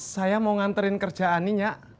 saya mau nganterin kerja ani nyak